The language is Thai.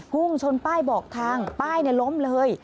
พุ่งชนป้ายบอกทางป้ายล้มเลย